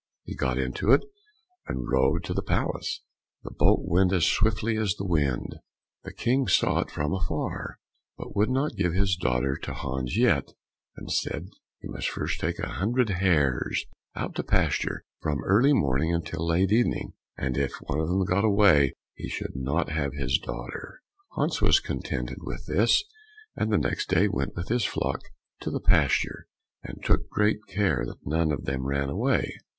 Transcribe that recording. He got into it and rowed to the palace. The boat went as swiftly as the wind. The King saw it from afar, but would not give his daughter to Hans yet, and said he must first take a hundred hares out to pasture from early morning until late evening, and if one of them got away, he should not have his daughter. Hans was contented with this, and the next day went with his flock to the pasture, and took great care that none of them ran away.